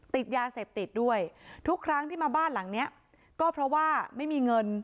ติดยาเสพติดด้วยทุกครั้งที่มาบ้านหลังเนี้ยก็เพราะว่าไม่มีเงิน